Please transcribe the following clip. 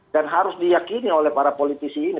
dan harus diyakini oleh para politisi ini